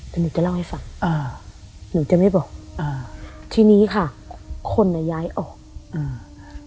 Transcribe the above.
แต่หนูจะเล่าให้ฟังอ่าหนูจะไม่บอกอ่าทีนี้ค่ะคนอ่ะย้ายออกอ่า